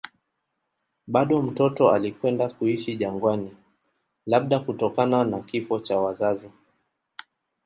Bado mtoto alikwenda kuishi jangwani, labda kutokana na kifo cha wazazi.